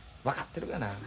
分かってるがな。